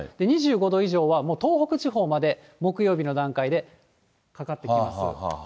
２５度以上は東北地方まで木曜日の段階でかかってきます。